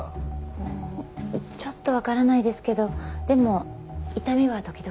うーんちょっとわからないですけどでも痛みは時々。